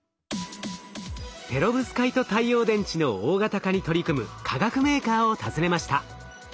ペロブスカイト太陽電池の大型化に取り組む化学メーカーを訪ねました。